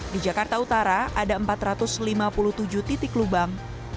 di jakarta utara ada empat ratus lima puluh tujuh titik lubang